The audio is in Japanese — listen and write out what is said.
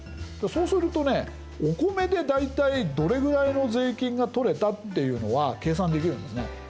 そうするとねお米で大体どれぐらいの税金が取れたっていうのは計算できるんですね。